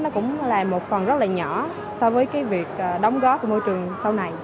nó cũng là một phần rất là nhỏ so với cái việc đóng góp của môi trường sau này